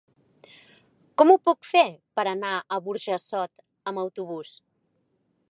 Com ho puc fer per anar a Burjassot amb autobús?